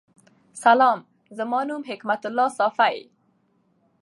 سلام زما نوم حکمت الله صافی